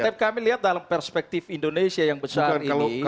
tapi kami lihat dalam perspektif indonesia yang besar ini